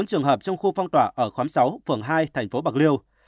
bốn trường hợp trong khu phong tỏa ở khóm sáu phường hai thành phố bạc liêu